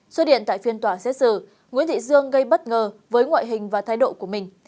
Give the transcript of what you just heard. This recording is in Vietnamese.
xuất hiện tại phiên tòa xét xử nguyễn thị dương gây bất ngờ với ngoại hình và thái độ của mình